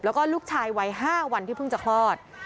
แล้วก็ลูกชายวัย๕วันที่เพิ่งจะคลอด